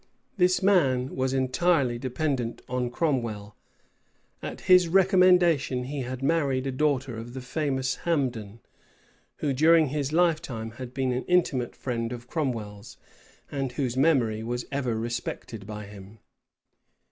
This man was entirely dependent on Cromwell. At his recommendation, he had married a daughter of the famous Hambden, who during his lifetime had been an intimate friend of Cromwell's, and whose memory was ever respected by him.